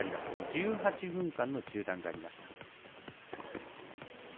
１８分間の中断がありました。